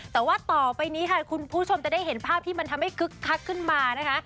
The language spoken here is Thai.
แต่ว่าต่อไปนี้ค่ะคุณผู้ชมจะได้เห็นภาพที่มันทำให้คึกคักขึ้นมานะคะ